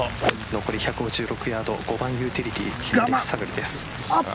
残り１５６ヤード５番ユーティリティーです。